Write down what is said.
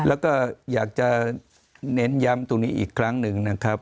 แล้วก็อยากจะเน้นย้ำตรงนี้อีกครั้งหนึ่งนะครับ